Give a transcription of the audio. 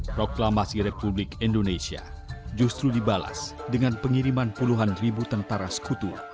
proklamasi republik indonesia justru dibalas dengan pengiriman puluhan ribu tentara sekutu